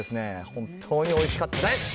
本当においしかったです。